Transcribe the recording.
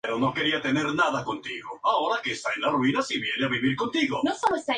Además cursó estudios de interpretación en el Howard Fine Studio en Los Ángeles, California.